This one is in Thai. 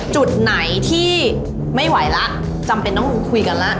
จุดไหนที่ไม่ไหวแล้วจำเป็นต้องคุยกันแล้ว